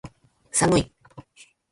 寒い